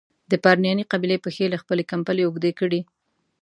د پرنیاني قبیلې پښې له خپلي کمبلي اوږدې کړي.